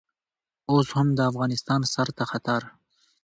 اوس هم د افغانستان سر ته خطر.